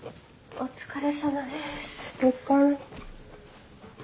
お疲れ。